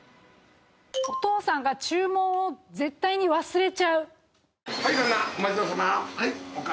お父さんが注文を絶対に忘れちゃう。